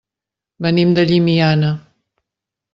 Venim de Llimiana.